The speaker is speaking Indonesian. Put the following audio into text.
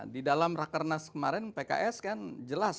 di dalam rakernas kemarin pks kan jelas